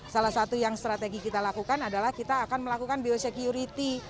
salah satu yang strategi kita lakukan adalah kita akan melakukan biosecurity